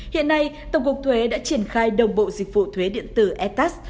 hiện nay tổng cục thuế đã triển khai đồng bộ dịch vụ thuế điện tử etas